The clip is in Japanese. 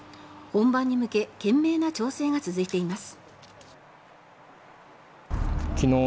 本番に向け懸命な調整が続いています。